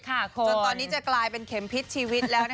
จนตอนนี้จะกลายเป็นเข็มพิษชีวิตแล้ว